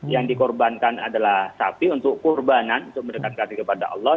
yang dikorbankan adalah sapi untuk kurbanan untuk mendekatkan diri kepada allah